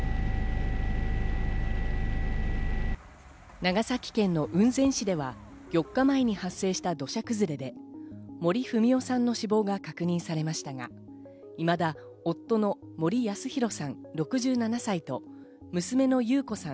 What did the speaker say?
長崎県の雲仙市では４日前に発生した土砂崩れで森文代さんの死亡が確認されましたが、いまだ夫の森保啓さん６７歳と娘の優子さん